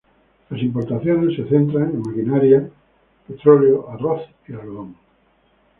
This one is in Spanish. Las importaciones se centran en maquinaria, petróleo, arroz y algodón.